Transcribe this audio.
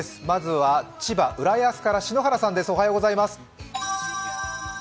まずは千葉・浦安から篠原さんです。